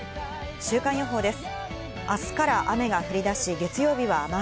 週間予報です。